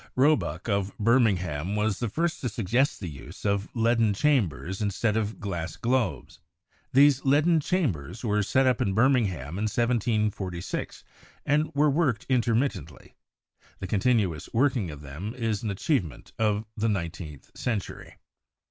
Roebuck of Birmingham was the* first to sug gest the use of leaden chambers instead of glass globes. These leaden chambers were set up in Birmingham in 1746, and were worked intermittently; the continuous working of them is an achievement of the nineteenth cen tury.